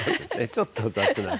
ちょっと雑な。